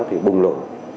thì bùng lộ